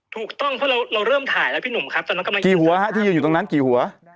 ถูกต้องเพราะเราเริ่มถ่ายแล้วพี่หนุ่มครับตอนนั้นกำลังกี่หัวฮะที่ยืนอยู่ตรงนั้นกี่หัว